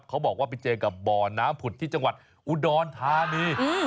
เขาบอกว่าไปเจอกับบ่อน้ำผุดที่จังหวัดอุดรธานี